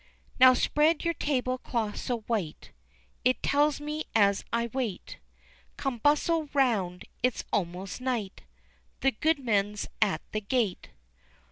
Now spread your table cloth so white, It tells me as I wait, _Come, bustle 'round, 'tis almost night The goodman's at the gate.